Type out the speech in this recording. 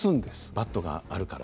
バットがあるから？